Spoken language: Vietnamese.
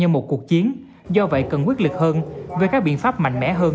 như một cuộc chiến do vậy cần quyết lực hơn về các biện pháp mạnh mẽ hơn